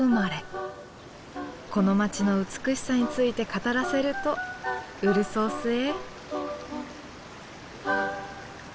この町の美しさについて語らせるとうるそおすえ。